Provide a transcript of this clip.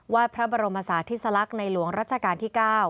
พระบรมศาสติสลักษณ์ในหลวงรัชกาลที่๙